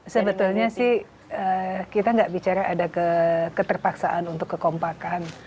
sebetulnya sih kita nggak bicara ada keterpaksaan untuk kekompakan